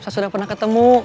saya sudah pernah ketemu